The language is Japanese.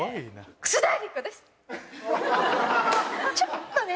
ちょっとね。